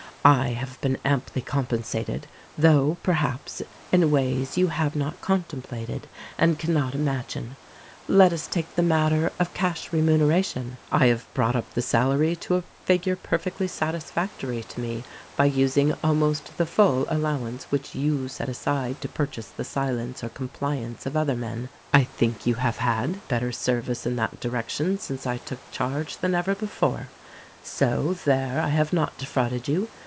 I have been amply compensated — though, perhaps, in ways you have not contemplated and cannot imagine. Let us take the matter of cash remuneration. I have brought up the salary to a figure perfectly satisfactory to me by using almost the full allowance which you set aside to purchase the silence or compliance of other men. I think you have had better service in that direction since I took charge than ever before — so, there I have not defrauded you.